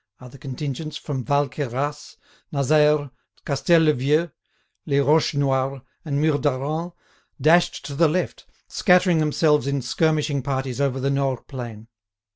Other contingents, from Valqueyras, Nazere, Castel le Vieux, Les Roches Noires, and Murdaran, dashed to the left, scattering themselves in skirmishing parties over the Nores plain.